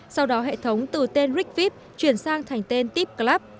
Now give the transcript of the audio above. sau đó hệ thống từ tên rigvip chuyển sang thành tên tipclub